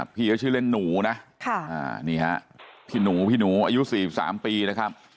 พี่เขาชื่อเล่นหนูนะนี่ฮะพี่หนูพี่หนูอายุ๔๓ปีนะครับ